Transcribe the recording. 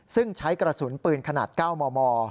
ซึ่งใช้กระสุนปืนขนาด๙มม